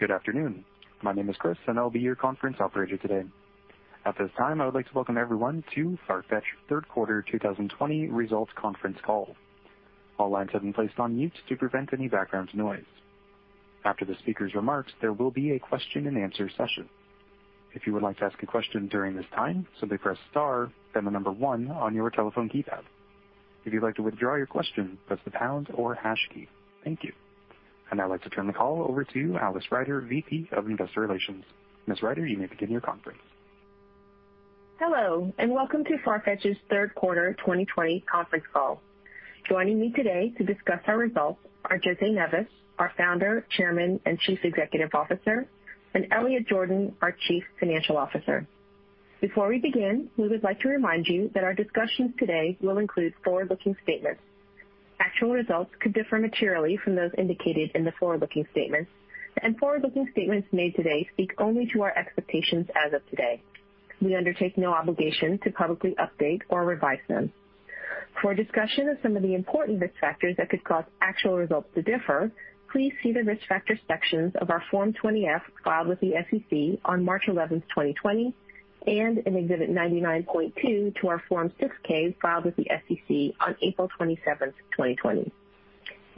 Good afternoon. My name is Chris, and I'll be your conference operator today. At this time, I would like to welcome everyone to Farfetch third quarter 2020 results conference call. All lines have been placed on mute to prevent any background noise. After the speaker's remarks, there will be a question and answer session. If you would like to ask a question during this time, simply press star, then the number one on your telephone keypad. If you'd like to withdraw your question, press the pound or hash key. Thank you. I'd now like to turn the call over to Alice Ryder, Vice President of Investor Relations. Ms. Ryder, you may begin your conference. Hello, and welcome to Farfetch's third quarter 2020 conference call. Joining me today to discuss our results are José Neves, our Founder, Chairman, and Chief Executive Officer, and Elliot Jordan, our Chief Financial Officer. Before we begin, we would like to remind you that our discussions today will include forward-looking statements. Actual results could differ materially from those indicated in the forward-looking statements, and forward-looking statements made today speak only to our expectations as of today. We undertake no obligation to publicly update or revise them. For a discussion of some of the important risk factors that could cause actual results to differ, please see the risk factor sections of our Form 20-F filed with the SEC on March 11th, 2020, and in Exhibit 99.2 to our Form 6-K filed with the SEC on April 27th, 2020.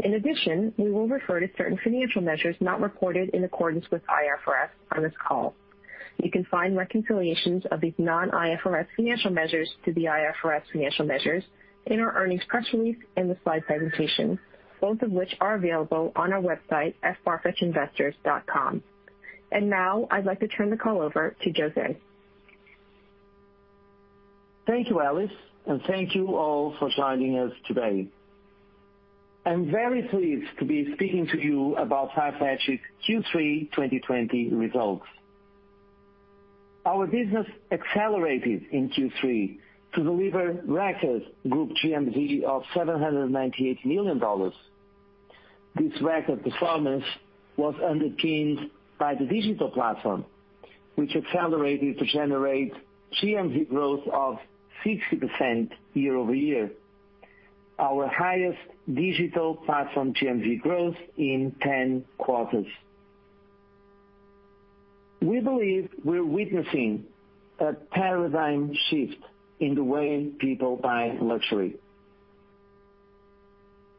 In addition, we will refer to certain financial measures not reported in accordance with IFRS on this call. You can find reconciliations of these non-IFRS financial measures to the IFRS financial measures in our earnings press release in the slide presentation, both of which are available on our website at farfetchinvestors.com. Now I'd like to turn the call over to José. Thank you, Alice, and thank you all for joining us today. I'm very pleased to be speaking to you about Farfetch's Q3 2020 results. Our business accelerated in Q3 to deliver record group GMV of $798 million. This record performance was underpinned by the digital platform, which accelerated to generate GMV growth of 60% year-over-year, our highest digital platform GMV growth in 10 quarters. We believe we're witnessing a paradigm shift in the way people buy luxury.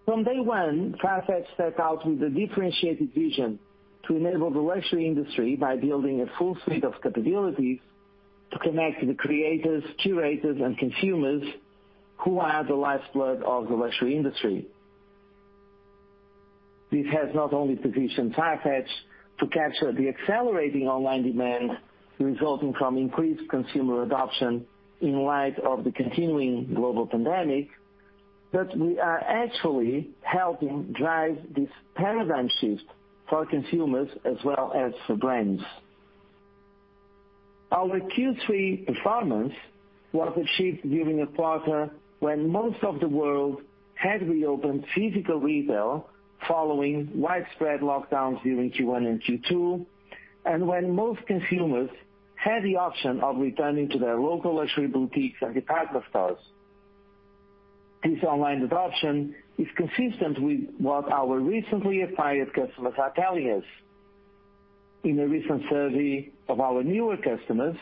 From day one, Farfetch set out with a differentiated vision to enable the luxury industry by building a full suite of capabilities to connect the creators, curators, and consumers who are the lifeblood of the luxury industry. This has not only positioned Farfetch to capture the accelerating online demand resulting from increased consumer adoption in light of the continuing global pandemic, but we are actually helping drive this paradigm shift for consumers as well as for brands. Our Q3 performance was achieved during a quarter when most of the world had reopened physical retail following widespread lockdowns during Q1 and Q2, and when most consumers had the option of returning to their local luxury boutiques and department stores. This online adoption is consistent with what our recently acquired customers are telling us. In a recent survey of our newer customers,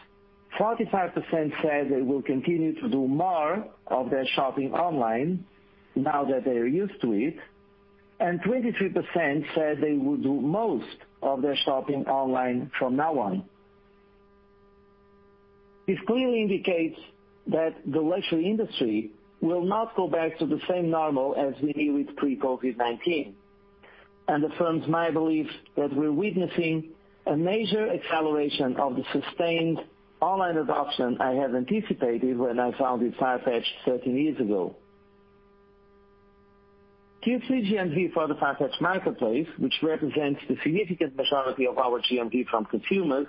45% said they will continue to do more of their shopping online now that they are used to it, and 23% said they would do most of their shopping online from now on. This clearly indicates that the luxury industry will not go back to the same normal as we knew it pre-COVID-19 and affirms my belief that we're witnessing a major acceleration of the sustained online adoption I had anticipated when I founded Farfetch 13 years ago. Q3 GMV for the Farfetch Marketplace, which represents the significant majority of our GMV from consumers,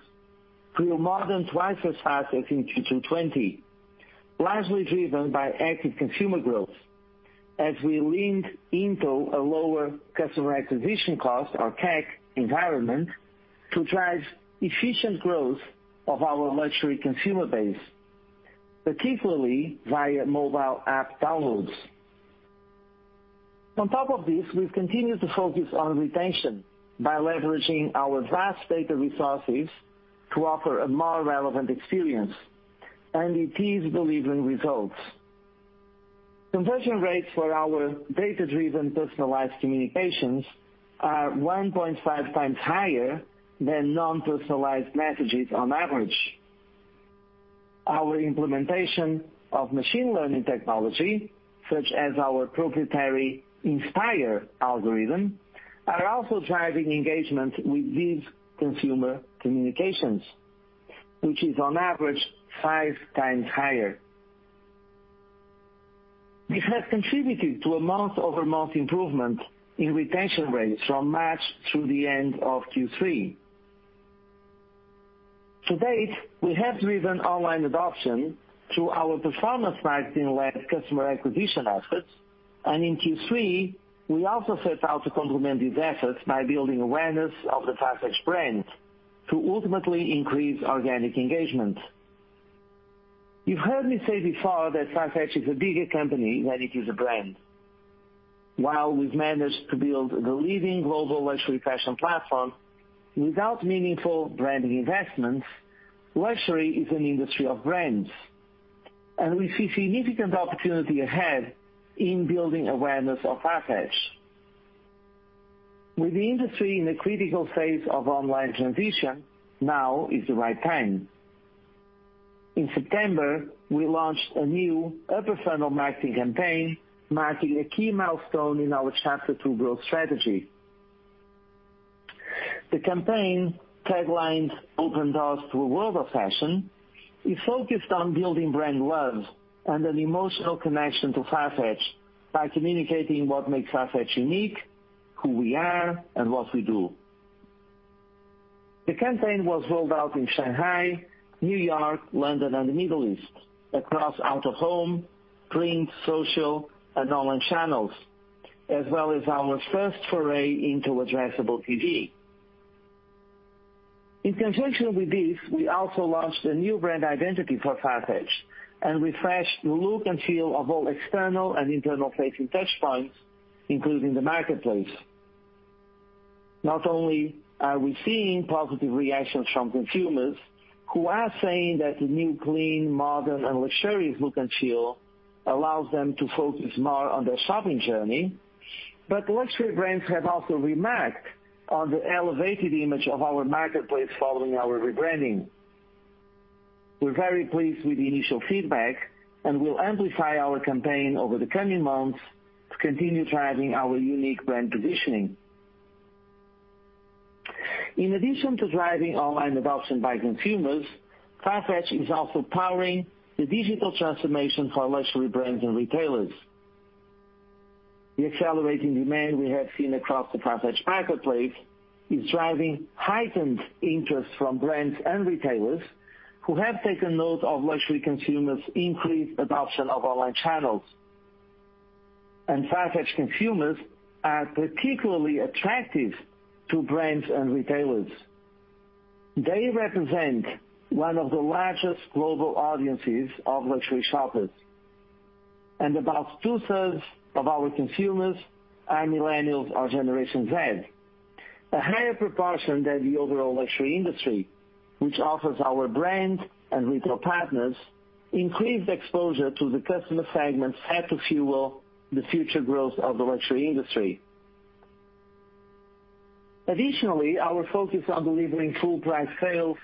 grew more than twice as fast as in Q2 2020, largely driven by active consumer growth as we leaned into a lower customer acquisition cost or CAC environment to drive efficient growth of our luxury consumer base, particularly via mobile app downloads. On top of this, we've continued to focus on retention by leveraging our vast data resources to offer a more relevant experience, and it is delivering results. Conversion rates for our data-driven, personalized communications are 1.5x higher than non-personalized messages on average. Our implementation of machine learning technology, such as our proprietary Inspire algorithm, are also driving engagement with these consumer communications, which is on average 5x higher. This has contributed to a month-over-month improvement in retention rates from March through the end of Q3. To date, we have driven online adoption through our performance marketing-led customer acquisition efforts, and in Q3, we also set out to complement these efforts by building awareness of the Farfetch brand to ultimately increase organic engagement. You've heard me say before that Farfetch is a bigger company than it is a brand. While we've managed to build the leading global luxury fashion platform without meaningful branding investments, luxury is an industry of brands, and we see significant opportunity ahead in building awareness of Farfetch. With the industry in a critical phase of online transition, now is the right time. In September, we launched a new upper funnel marketing campaign marking a key milestone in our Chapter Two growth strategy. The campaign, headlined "Open Doors to a World of Fashion," is focused on building brand love and an emotional connection to Farfetch by communicating what makes Farfetch unique, who we are, and what we do. The campaign was rolled out in Shanghai, New York, London, and the Middle East across out-of-home, print, social, and online channels, as well as our first foray into addressable TV. In conjunction with this, we also launched a new brand identity for Farfetch and refreshed the look and feel of all external and internal-facing touchpoints, including the Marketplace. Not only are we seeing positive reactions from consumers who are saying that the new clean, modern, and luxurious look and feel allows them to focus more on their shopping journey, but luxury brands have also remarked on the elevated image of our Marketplace following our rebranding. We're very pleased with the initial feedback, and we'll amplify our campaign over the coming months to continue driving our unique brand positioning. In addition to driving online adoption by consumers, Farfetch is also powering the digital transformation for luxury brands and retailers. The accelerating demand we have seen across the Farfetch Marketplace is driving heightened interest from brands and retailers who have taken note of luxury consumers' increased adoption of online channels. Farfetch consumers are particularly attractive to brands and retailers. They represent one of the largest global audiences of luxury shoppers, and about two-thirds of our consumers are Millennials or Generation Z, a higher proportion than the overall luxury industry, which offers our brand and retail partners increased exposure to the customer segments set to fuel the future growth of the luxury industry. Additionally, our focus on delivering full price sales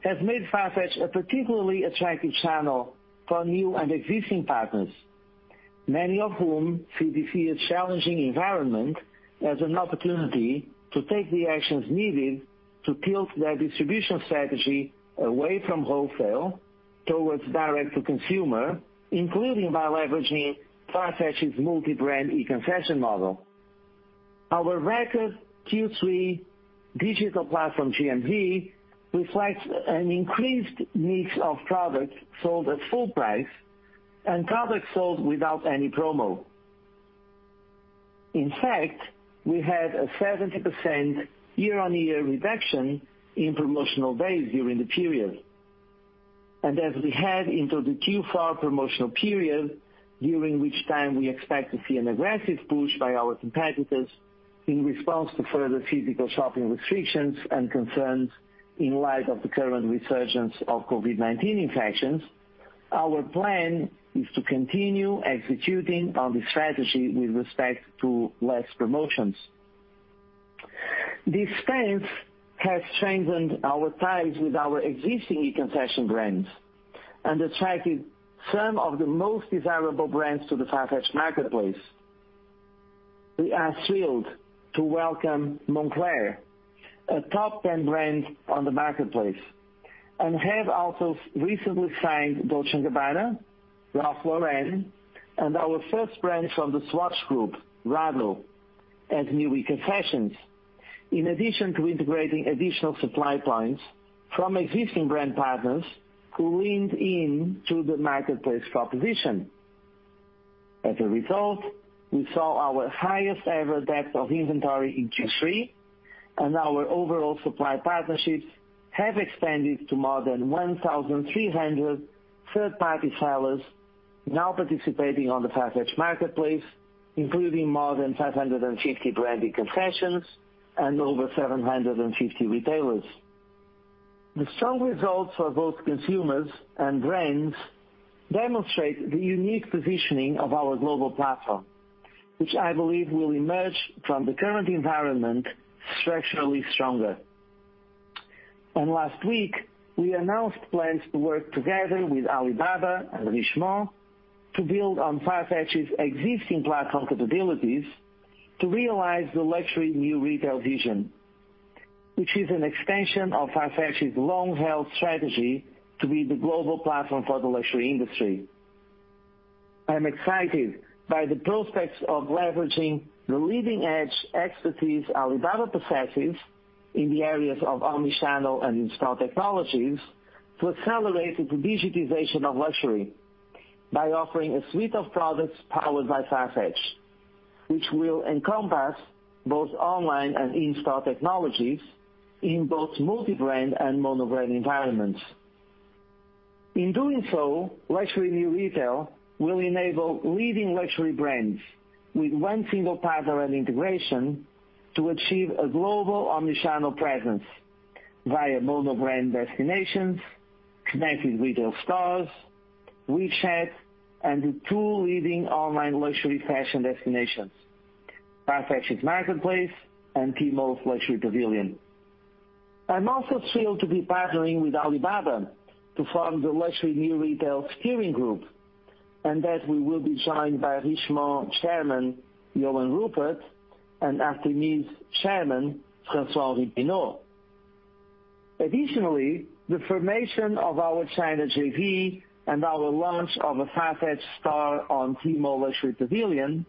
has made Farfetch a particularly attractive channel for new and existing partners, many of whom see this challenging environment as an opportunity to take the actions needed to tilt their distribution strategy away from wholesale towards direct-to-consumer, including by leveraging Farfetch's multi-brand e-concession model. Our record Q3 digital platform GMV reflects an increased mix of products sold at full price and products sold without any promo. In fact, we had a 70% year-on-year reduction in promotional days during the period. As we head into the Q4 promotional period, during which time we expect to see an aggressive push by our competitors in response to further physical shopping restrictions and concerns in light of the current resurgence of COVID-19 infections, our plan is to continue executing on the strategy with respect to less promotions. This stance has strengthened our ties with our existing e-concession brands and attracted some of the most desirable brands to the Farfetch Marketplace. We are thrilled to welcome Moncler, a top 10 brand on the marketplace, and have also recently signed Dolce & Gabbana, Ralph Lauren, and our first brand from the Swatch Group, Rado, as new e-concessions. In addition to integrating additional supply points from existing brand partners who leaned in to the marketplace proposition. As a result, we saw our highest-ever depth of inventory in Q3, and our overall supply partnerships have expanded to more than 1,300 third-party sellers now participating on the Farfetch Marketplace, including more than 550 brand e-concessions and over 750 retailers. The strong results for both consumers and brands demonstrate the unique positioning of our global platform, which I believe will emerge from the current environment structurally stronger. Last week, we announced plans to work together with Alibaba and Richemont to build on Farfetch's existing platform capabilities to realize the Luxury New Retail vision, which is an extension of Farfetch's long-held strategy to be the global platform for the luxury industry. I am excited by the prospects of leveraging the leading-edge expertise Alibaba possesses in the areas of omnichannel and in-store technologies to accelerate the digitization of luxury. By offering a suite of products powered by Farfetch, which will encompass both online and in-store technologies in both multi-brand and mono-brand environments. In doing so, Luxury New Retail will enable leading luxury brands with one single path of integration to achieve a global omnichannel presence via mono-brand destinations, connected retail stores, WeChat, and the two leading online luxury fashion destinations, Farfetch Marketplace and Tmall Luxury Pavilion. I'm also thrilled to be partnering with Alibaba to form the Luxury New Retail steering group, and that we will be joined by Richemont Chairman, Johann Rupert, and Kering Chairman, François-Henri Pinault. Additionally, the formation of our China JV and our launch of a Farfetch store on Tmall Luxury Pavilion,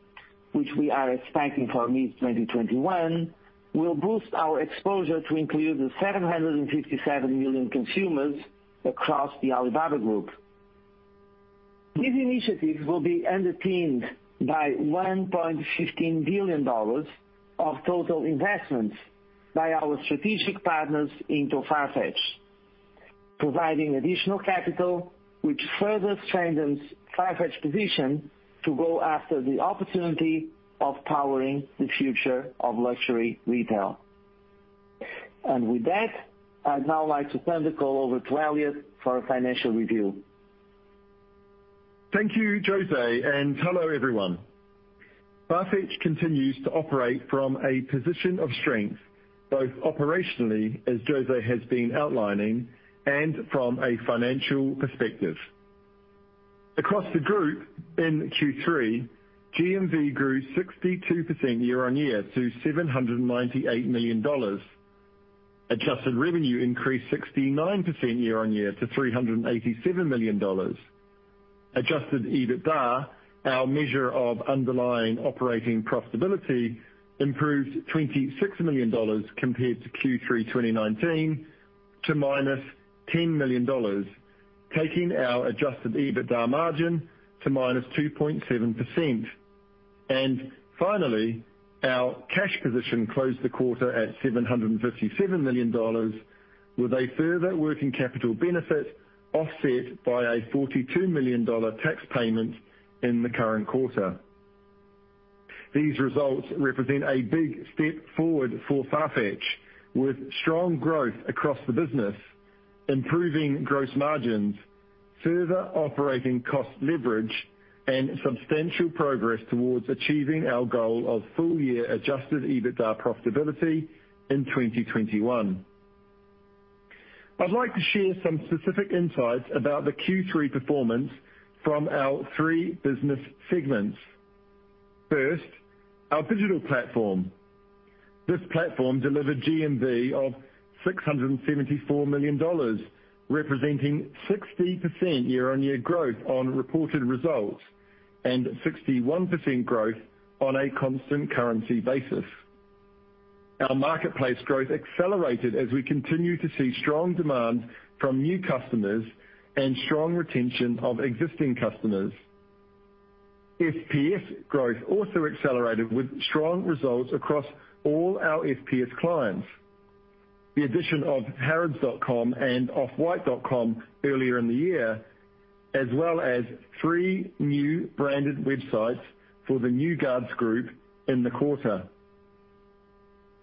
which we are expecting for mid-2021, will boost our exposure to include the 757 million consumers across the Alibaba Group. These initiatives will be underpinned by $1.15 billion of total investments by our strategic partners into Farfetch, providing additional capital, which further strengthens Farfetch's position to go after the opportunity of powering the future of luxury retail. With that, I'd now like to turn the call over to Elliot for a financial review. Thank you, José, and hello, everyone. Farfetch continues to operate from a position of strength, both operationally, as José has been outlining, and from a financial perspective. Across the group in Q3, GMV grew 62% year-on-year to $798 million. Adjusted revenue increased 69% year-on-year to $387 million. Adjusted EBITDA, our measure of underlying operating profitability, improved $26 million compared to Q3 2019 to -$10 million, taking our adjusted EBITDA margin to -2.7%. Finally, our cash position closed the quarter at $757 million, with a further working capital benefit offset by a $42 million tax payment in the current quarter. These results represent a big step forward for Farfetch, with strong growth across the business, improving gross margins, further operating cost leverage, and substantial progress towards achieving our goal of full-year adjusted EBITDA profitability in 2021. I'd like to share some specific insights about the Q3 performance from our three business segments. First, our digital platform. This platform delivered GMV of $674 million, representing 60% year-on-year growth on reported results, and 61% growth on a constant currency basis. Our marketplace growth accelerated as we continue to see strong demand from new customers and strong retention of existing customers. FPS growth also accelerated with strong results across all our FPS clients. The addition of harrods.com and off-white.com earlier in the year, as well as three new branded websites for the New Guards Group in the quarter.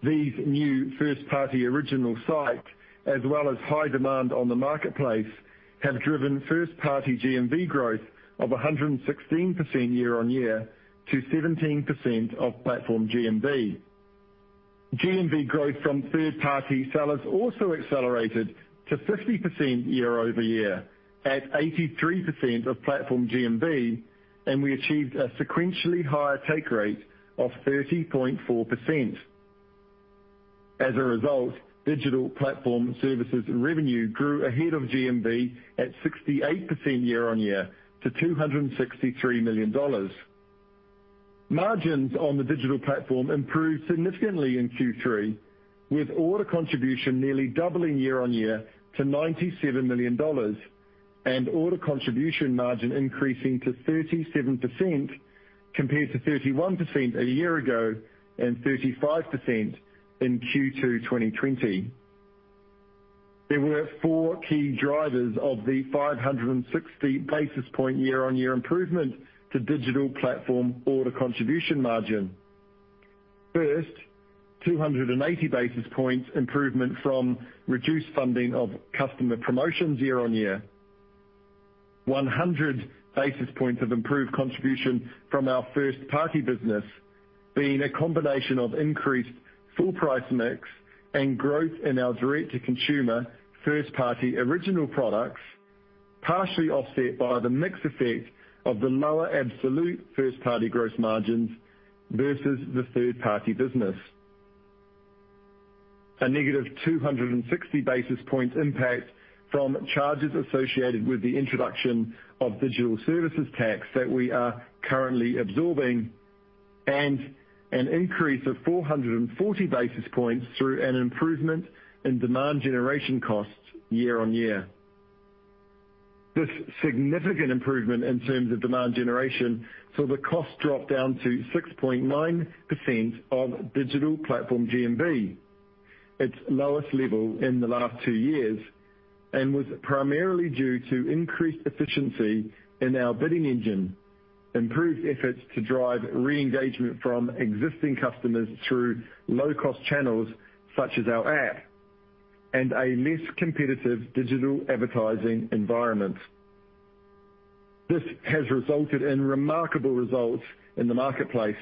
These new first-party original sites, as well as high demand on the marketplace, have driven first-party GMV growth of 116% year-on-year to 17% of platform GMV. GMV growth from third-party sellers also accelerated to 50% year-over-year at 83% of platform GMV, and we achieved a sequentially higher take rate of 30.4%. As a result, digital platform services revenue grew ahead of GMV at 68% year-on-year to $263 million. Margins on the digital platform improved significantly in Q3, with order contribution nearly doubling year-on-year to $97 million, and order contribution margin increasing to 37% compared to 31% a year ago, and 35% in Q2 2020. There were four key drivers of the 560 basis point year-on-year improvement to digital platform order contribution margin. First, 280 basis points improvement from reduced funding of customer promotions year-on-year. 100 basis points of improved contribution from our first-party business, being a combination of increased full price mix and growth in our direct-to-consumer first-party original products, partially offset by the mix effect of the lower absolute first-party gross margins versus the third-party business. A negative 260 basis points impact from charges associated with the introduction of digital services tax that we are currently absorbing. An increase of 440 basis points through an improvement in demand generation costs year-on-year. This significant improvement in terms of demand generation saw the cost drop down to 6.9% of digital platform GMV, its lowest level in the last two years, and was primarily due to increased efficiency in our bidding engine, improved efforts to drive re-engagement from existing customers through low-cost channels such as our app, and a less competitive digital advertising environment. This has resulted in remarkable results in the marketplace.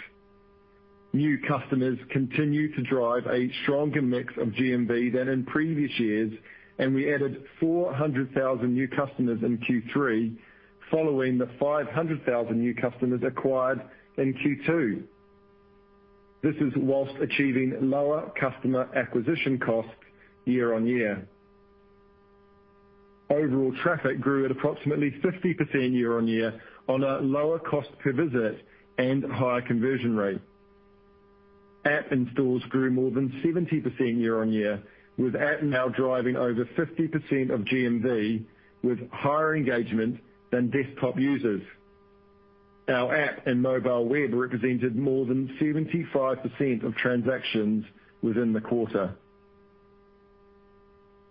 New customers continue to drive a stronger mix of GMV than in previous years, and we added 400,000 new customers in Q3 following the 500,000 new customers acquired in Q2. This is whilst achieving lower customer acquisition costs year-on-year. Overall traffic grew at approximately 50% year-on-year on a lower cost per visit and higher conversion rate. App installs grew more than 70% year-on-year, with app now driving over 50% of GMV with higher engagement than desktop users. Our app and mobile web represented more than 75% of transactions within the quarter.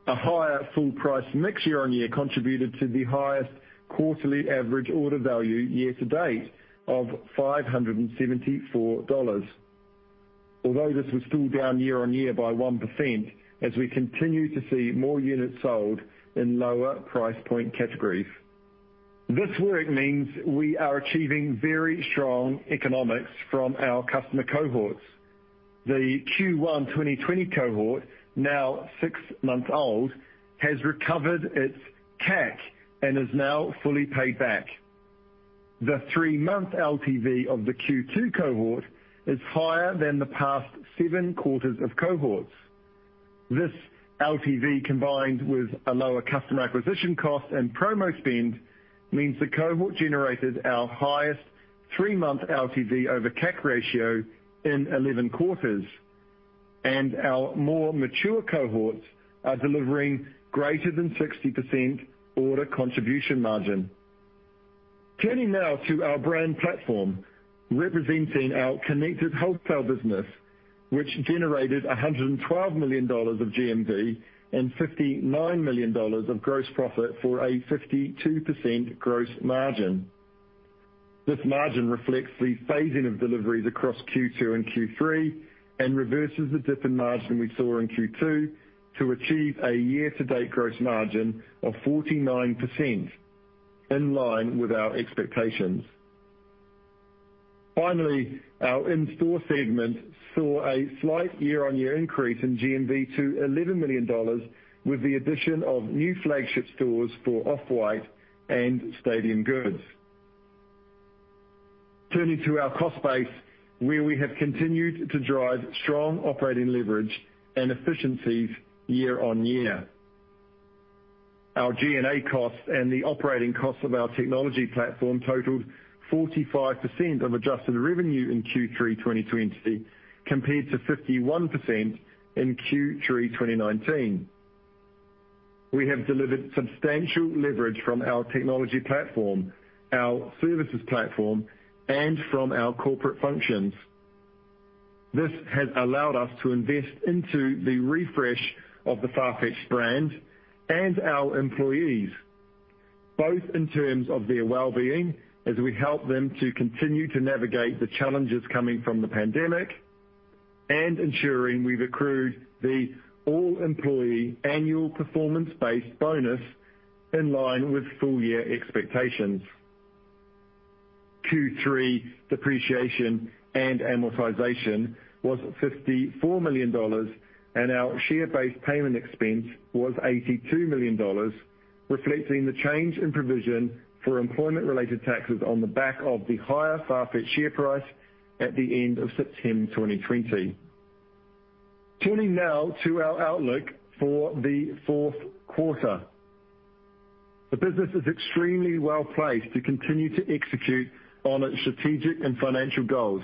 A higher full price mix year-on-year contributed to the highest quarterly average order value year-to-date of $574. Although this was still down year-on-year by 1%, as we continue to see more units sold in lower price point categories. This work means we are achieving very strong economics from our customer cohorts. The Q1 2020 cohort, now six months old, has recovered its CAC and is now fully paid back. The three-month LTV of the Q2 cohort is higher than the past seven quarters of cohorts. This LTV, combined with a lower customer acquisition cost and promo spend, means the cohort generated our highest three-month LTV over CAC ratio in 11 quarters, and our more mature cohorts are delivering greater than 60% order contribution margin. Turning now to our brand platform, representing our connected wholesale business, which generated $112 million of GMV and $59 million of gross profit for a 52% gross margin. This margin reflects the phasing of deliveries across Q2 and Q3 and reverses the dip in margin we saw in Q2 to achieve a year-to-date gross margin of 49%, in line with our expectations. Finally, our in-store segment saw a slight year-on-year increase in GMV to $11 million with the addition of new flagship stores for Off-White and Stadium Goods. Turning to our cost base, where we have continued to drive strong operating leverage and efficiencies year-on-year. Our G&A costs and the operating costs of our technology platform totaled 45% of adjusted revenue in Q3 2020 compared to 51% in Q3 2019. We have delivered substantial leverage from our technology platform, our services platform, and from our corporate functions. This has allowed us to invest into the refresh of the Farfetch brand and our employees, both in terms of their well-being as we help them to continue to navigate the challenges coming from the pandemic, and ensuring we've accrued the all-employee annual performance-based bonus in line with full year expectations. Q3 depreciation and amortization was $54 million, and our share-based payment expense was $82 million, reflecting the change in provision for employment-related taxes on the back of the higher Farfetch share price at the end of September 2020. Turning now to our outlook for the fourth quarter. The business is extremely well-placed to continue to execute on its strategic and financial goals.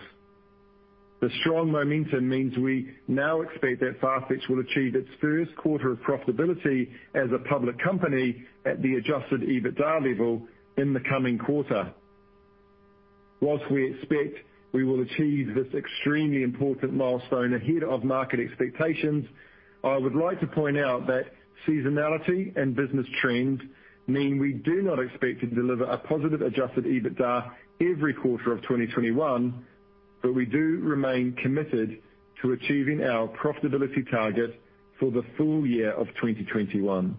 The strong momentum means we now expect that Farfetch will achieve its first quarter of profitability as a public company at the adjusted EBITDA level in the coming quarter. Whilst we expect we will achieve this extremely important milestone ahead of market expectations, I would like to point out that seasonality and business trends mean we do not expect to deliver a positive adjusted EBITDA every quarter of 2021, but we do remain committed to achieving our profitability target for the full year of 2021.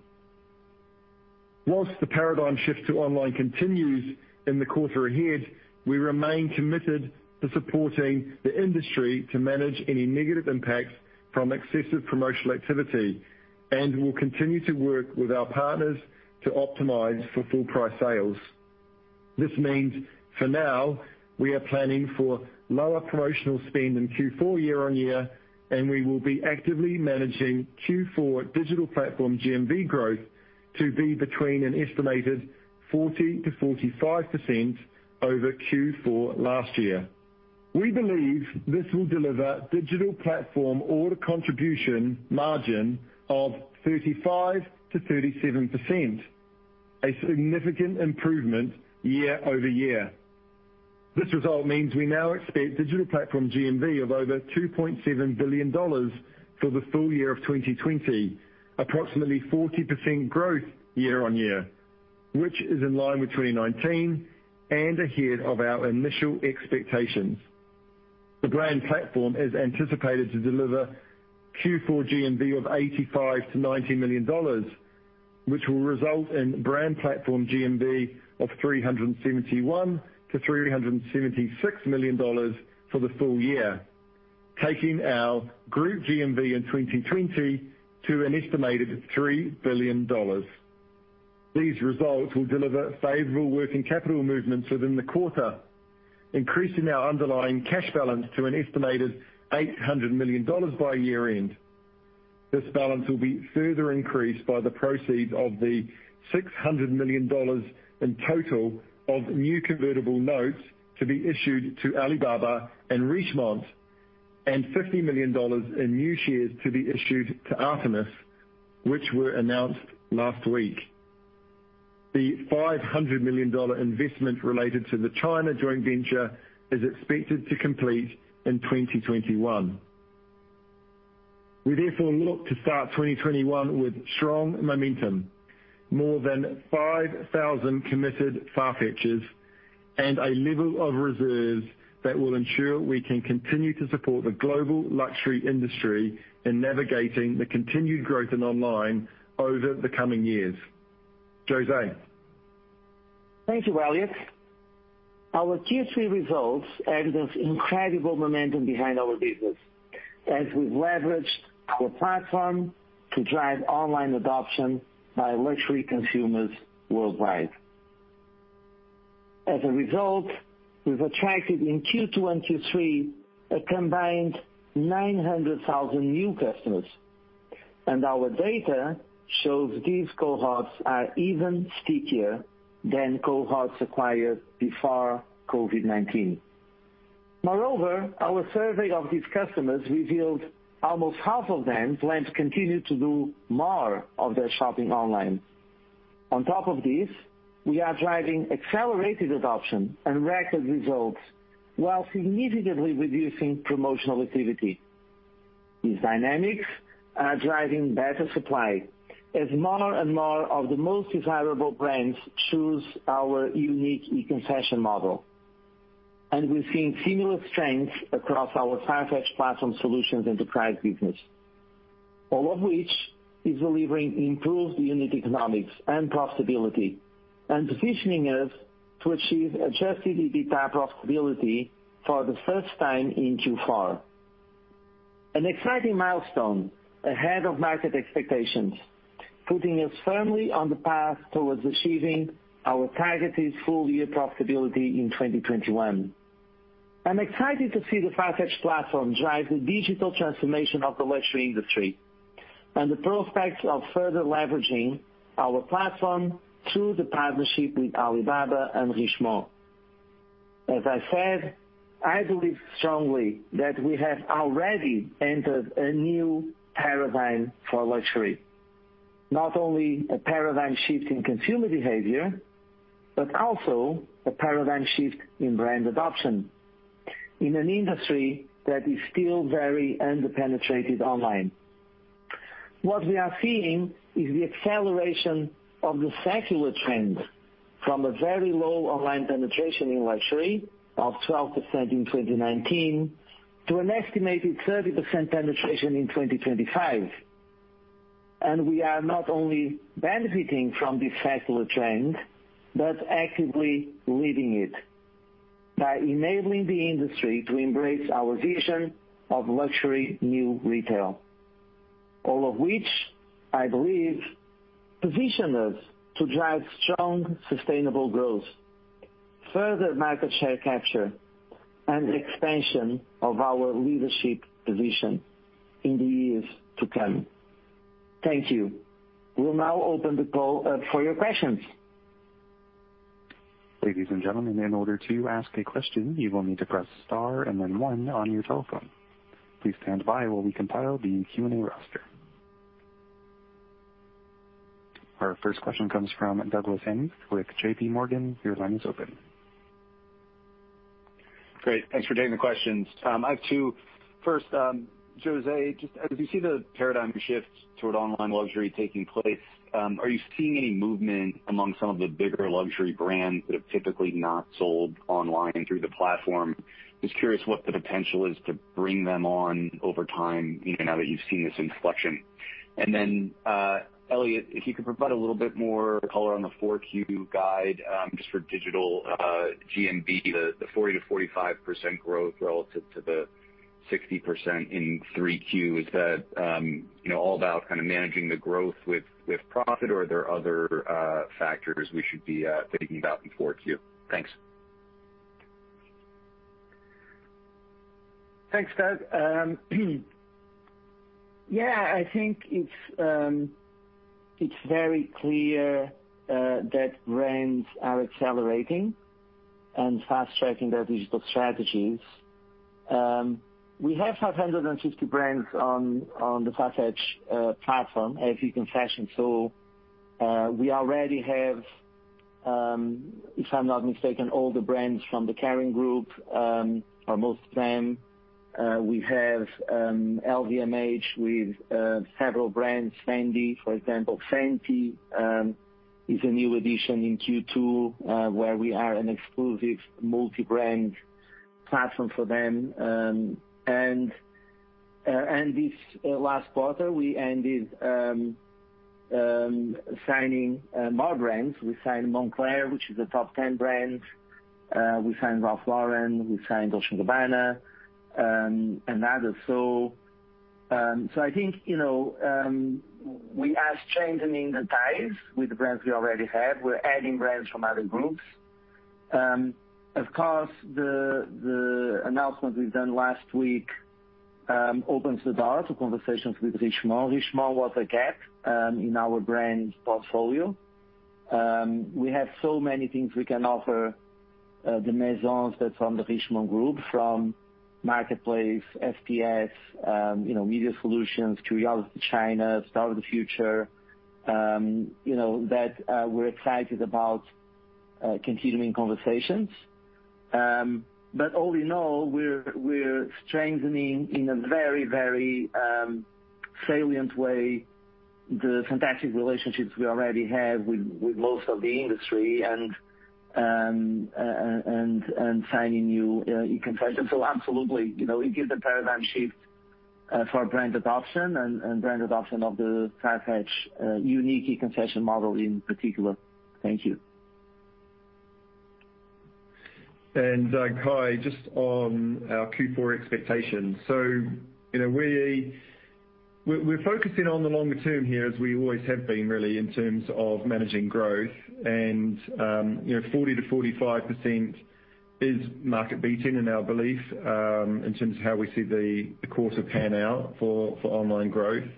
Whilst the paradigm shift to online continues in the quarter ahead, we remain committed to supporting the industry to manage any negative impacts from excessive promotional activity and will continue to work with our partners to optimize for full price sales. This means, for now, we are planning for lower promotional spend in Q4 year-on-year, and we will be actively managing Q4 digital platform GMV growth to be between an estimated 40%-45% over Q4 last year. We believe this will deliver digital platform order contribution margin of 35%-37%, a significant improvement year-over-year. This result means we now expect digital platform GMV of over $2.7 billion for the full year of 2020, approximately 40% growth year-on-year, which is in line with 2019 and ahead of our initial expectations. The brand platform is anticipated to deliver Q4 GMV of $85 million-$90 million, which will result in brand platform GMV of $371 million-$376 million for the full year, taking our group GMV in 2020 to an estimated $3 billion. These results will deliver favorable working capital movements within the quarter, increasing our underlying cash balance to an estimated $800 million by year-end. This balance will be further increased by the proceeds of the $600 million in total of new convertible notes to be issued to Alibaba and Richemont, and $50 million in new shares to be issued to Artemis, which were announced last week. The $500 million investment related to the China joint venture is expected to complete in 2021. We therefore look to start 2021 with strong momentum, more than 5,000 committed Farfetchers, and a level of reserves that will ensure we can continue to support the global luxury industry in navigating the continued growth in online over the coming years. José. Thank you, Elliot. Our Q3 results add this incredible momentum behind our business as we've leveraged our platform to drive online adoption by luxury consumers worldwide. As a result, we've attracted in Q3 a combined 900,000 new customers. Our data shows these cohorts are even stickier than cohorts acquired before COVID-19. Moreover, our survey of these customers revealed almost half of them plan to continue to do more of their shopping online. On top of this, we are driving accelerated adoption and record results while significantly reducing promotional activity. These dynamics are driving better supply as more and more of the most desirable brands choose our unique e-concession model. We're seeing similar strengths across our Farfetch Platform Solutions enterprise business. All of which is delivering improved unit economics and profitability and positioning us to achieve adjusted EBITDA profitability for the first time in Q4. An exciting milestone ahead of market expectations, putting us firmly on the path towards achieving our targeted full-year profitability in 2021. I'm excited to see the Farfetch platform drive the digital transformation of the luxury industry and the prospects of further leveraging our platform through the partnership with Alibaba and Richemont. As I said, I believe strongly that we have already entered a new paradigm for luxury. Not only a paradigm shift in consumer behavior, but also a paradigm shift in brand adoption in an industry that is still very under-penetrated online. What we are seeing is the acceleration of the secular trend from a very low online penetration in luxury of 12% in 2019 to an estimated 30% penetration in 2025. We are not only benefiting from this secular trend, but actively leading it by enabling the industry to embrace our vision of Luxury New Retail. All of which, I believe, position us to drive strong, sustainable growth, further market share capture, and expansion of our leadership position in the years to come. Thank you. We will now open the call up for your questions. Our first question comes from Douglas Anmuth with JPMorgan. Great. Thanks for taking the questions. I have two. First, José, just as you see the paradigm shift toward online luxury taking place, are you seeing any movement among some of the bigger luxury brands that have typically not sold online through the platform? Just curious what the potential is to bring them on over time, even now that you've seen this inflection. Then, Elliot, if you could provide a little bit more color on the four Q guide, just for digital GMV, the 40%-45% growth relative to the 60% in three Q. Is that all about kind of managing the growth with profit, or are there other factors we should be thinking about in four Q? Thanks. Thanks, Douglas. Yeah, I think it's very clear that brands are accelerating and fast-tracking their digital strategies. We have 550 brands on the Farfetch platform, E-concession. We already have, if I am not mistaken, all the brands from the Kering group, or most of them. We have LVMH with several brands, Fendi, for example. Fenty is a new addition in Q2, where we are an exclusive multi-brand platform for them. This last quarter, we ended signing more brands. We signed Moncler, which is a top 10 brand. We signed Ralph Lauren, we signed Dolce & Gabbana, and others. I think, we are strengthening the ties with the brands we already have. We are adding brands from other groups. Of course, the announcement we have done last week opens the door to conversations with Richemont. Richemont was a gap in our brand portfolio. We have so many things we can offer the maisons that is from the Richemont Group, from Farfetch Marketplace, FPS, Farfetch Media Solutions, CuriosityChina, Store of the Future, that we are excited about continuing conversations. All in all, we are strengthening in a very salient way the fantastic relationships we already have with most of the industry and signing new e-concession. Absolutely, it is a paradigm shift for brand adoption and brand adoption of the Farfetch unique E-concession model in particular. Thank you. Okay, just on our Q4 expectations. We're focusing on the longer term here as we always have been, really, in terms of managing growth and 40%-45% is market beating in our belief, in terms of how we see the quarter pan out for online growth.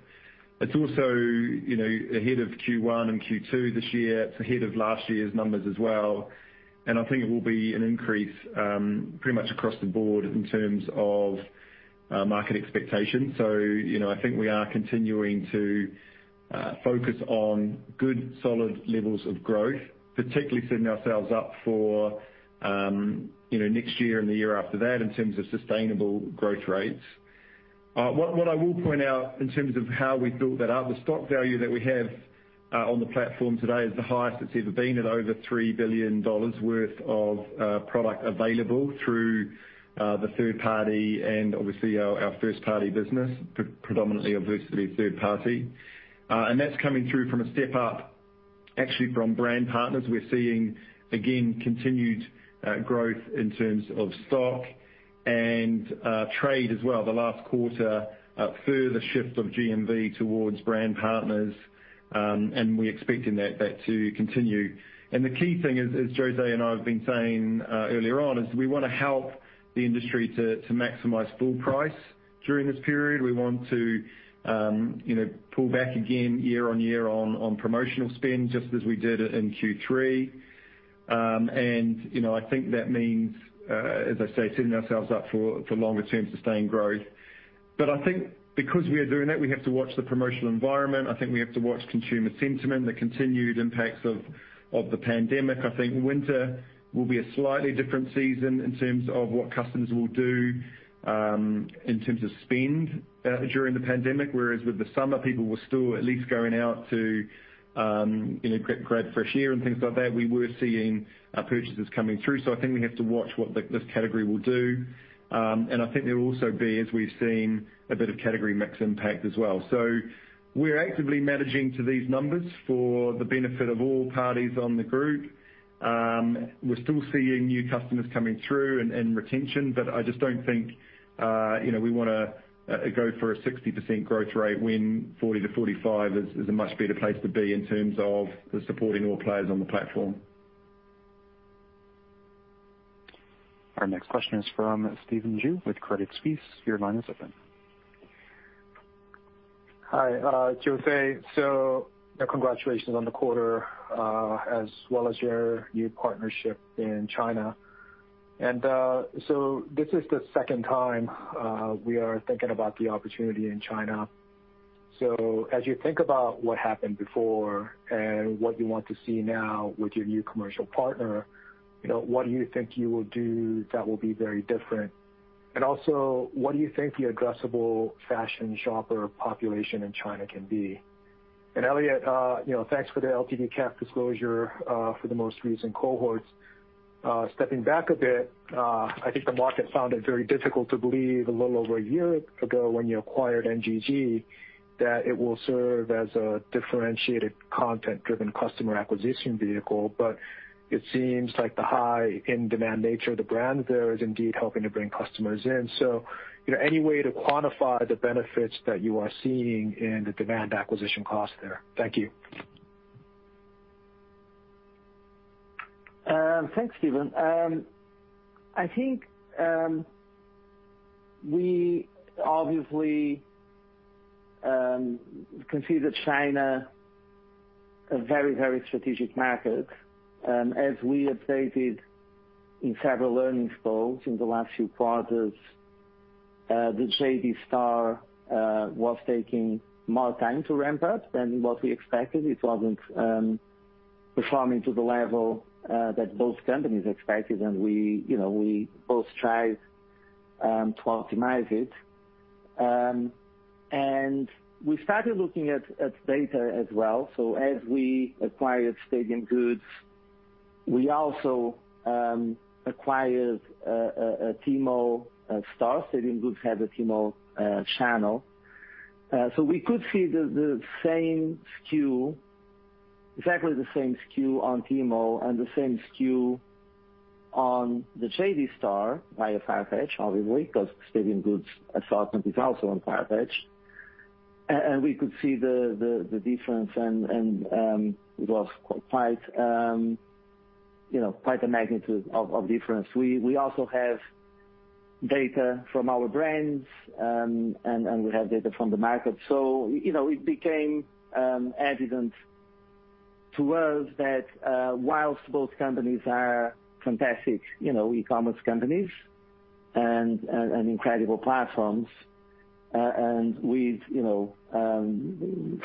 It's also ahead of Q1 and Q2 this year. It's ahead of last year's numbers as well, I think it will be an increase pretty much across the board in terms of market expectations. I think we are continuing to focus on good, solid levels of growth, particularly setting ourselves up for next year and the year after that in terms of sustainable growth rates. What I will point out in terms of how we built that up, the stock value that we have on the platform today is the highest it's ever been at over $3 billion worth of product available through the third party and obviously our first party business, predominantly obviously third party. That's coming through from a step up actually from brand partners. We're seeing, again, continued growth in terms of stock and trade as well. The last quarter, a further shift of GMV towards brand partners, and we're expecting that to continue. The key thing, as José and I have been saying earlier on, is we want to help the industry to maximize full price during this period. We want to pull back again year-on-year on promotional spend, just as we did in Q3. I think that means, as I say, setting ourselves up for longer-term sustained growth. I think because we are doing it, we have to watch the promotional environment. I think we have to watch consumer sentiment, the continued impacts of the pandemic. I think winter will be a slightly different season in terms of what customers will do in terms of spend during the pandemic. Whereas with the summer, people were still at least going out to grab fresh air and things like that. We were seeing purchases coming through. I think we have to watch what this category will do. I think there will also be, as we've seen, a bit of category mix impact as well. We're actively managing to these numbers for the benefit of all parties on the group. We're still seeing new customers coming through and retention. I just don't think we want to go for a 60% growth rate when 40%-45% is a much better place to be in terms of the supporting all players on the platform. Our next question is from Stephen Ju with Credit Suisse. Your line is open. Hi, José. Congratulations on the quarter, as well as your new partnership in China. This is the second time we are thinking about the opportunity in China. As you think about what happened before and what you want to see now with your new commercial partner, what do you think you will do that will be very different? Also, what do you think the addressable fashion shopper population in China can be? Elliot, thanks for the LTV/CAC disclosure for the most recent cohorts. Stepping back a bit, I think the market found it very difficult to believe a little over a year ago when you acquired NGG that it will serve as a differentiated content-driven customer acquisition vehicle. It seems like the high in-demand nature of the brand there is indeed helping to bring customers in. Any way to quantify the benefits that you are seeing in the demand acquisition cost there? Thank you. Thanks, Stephen. I think we obviously consider China a very, very strategic market. As we updated in several earnings calls in the last few quarters, the JD store was taking more time to ramp up than what we expected. It wasn't performing to the level that both companies expected, and we both tried to optimize it. We started looking at data as well. As we acquired Stadium Goods, we also acquired a Tmall store. Stadium Goods had a Tmall channel. We could see exactly the same SKU on Tmall and the same SKU on the JD store via Farfetch, obviously, because Stadium Goods' assortment is also on Farfetch. We could see the difference, and it was quite a magnitude of difference. We also have data from our brands, and we have data from the market. It became evident to us that whilst both companies are fantastic e-commerce companies and incredible platforms. With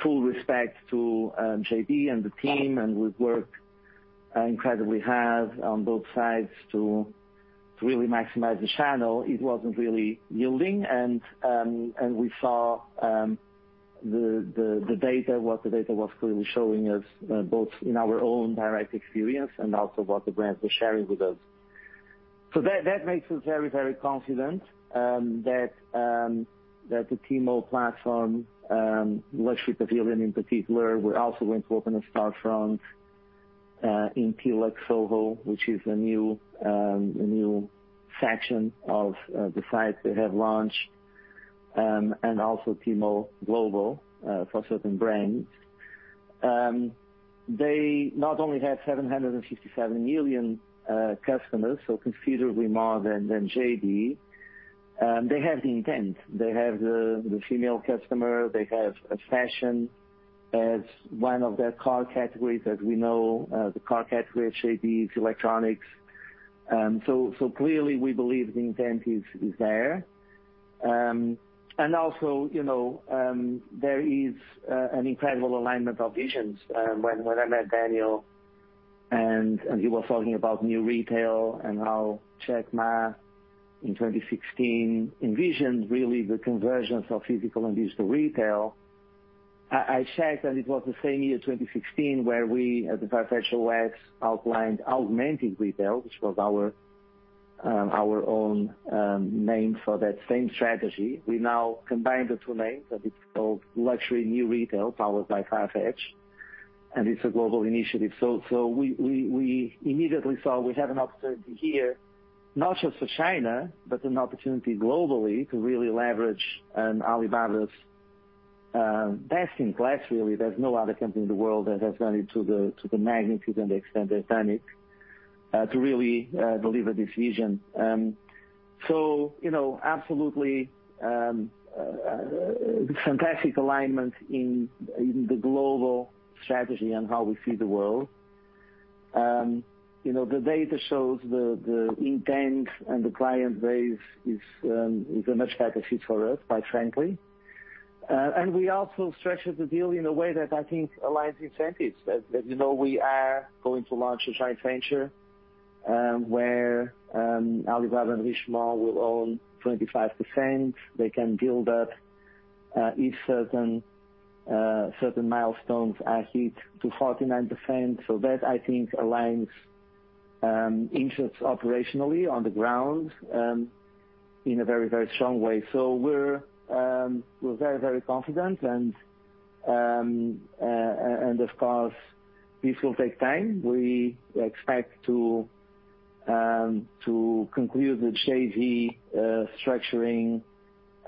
full respect to JD and the team, and with work incredibly hard on both sides to really maximize the channel, it wasn't really yielding and we saw what the data was clearly showing us, both in our own direct experience and also what the brands were sharing with us. That makes us very, very confident that the Tmall platform, Luxury Pavilion in particular, we're also going to open a storefront in Tmall Luxury Soho, which is a new section of the site they have launched, and also Tmall Global for certain brands. They not only have 757 million customers, so considerably more than JD, they have the intent. They have the female customer, they have fashion as one of their core categories. We know, the core category at JD is electronics. Clearly we believe the intent is there. Also, there is an incredible alignment of visions. When I met Daniel, and he was talking about new retail and how Jack Ma in 2016 envisioned really the convergence of physical and digital retail. I checked, and it was the same year, 2016, where we at the Farfetch OS outlined augmented retail, which was our own name for that same strategy. We now combine the two names, and it's called Luxury New Retail powered by Farfetch, and it's a global initiative. We immediately saw we have an opportunity here, not just for China, but an opportunity globally to really leverage Alibaba's best in class, really. There's no other company in the world that has done it to the magnitude and the extent they've done it, to really deliver this vision. Absolutely, fantastic alignment in the global strategy and how we see the world. The data shows the intent and the client base is a much better fit for us, quite frankly. We also structured the deal in a way that I think aligns incentives. As you know, we are going to launch a joint venture, where Alibaba and Richemont will own 25%. They can build up if certain milestones are hit to 49%. That I think aligns interests operationally on the ground in a very, very strong way. We're very, very confident and, of course, this will take time. We expect to conclude the JV structuring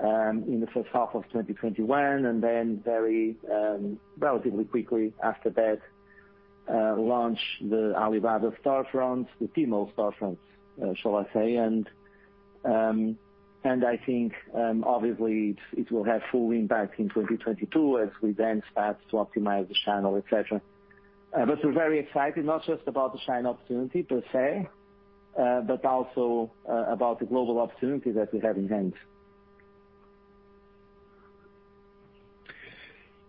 in the first half of 2021, and then very relatively quickly after that, launch the Alibaba storefront, the Tmall storefront, shall I say. I think, obviously, it will have full impact in 2022 as we then start to optimize the channel, et cetera. We're very excited, not just about the China opportunity per se, but also about the global opportunity that we have in hand.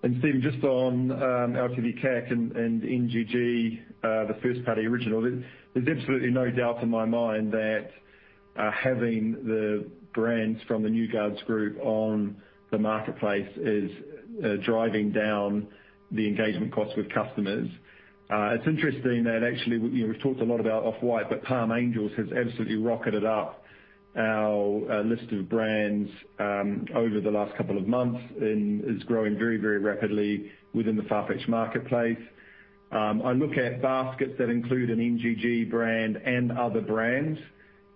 Stephen, just on LTV CAC and NGG, the first-party original. There's absolutely no doubt in my mind that having the brands from the New Guards Group on the Farfetch Marketplace is driving down the engagement costs with customers. It's interesting that actually, we've talked a lot about Off-White, but Palm Angels has absolutely rocketed up our list of brands over the last couple of months and is growing very, very rapidly within the Farfetch Marketplace. I look at baskets that include an NGG brand and other brands.